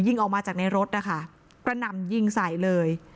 ออกมาจากในรถนะคะกระหน่ำยิงใส่เลย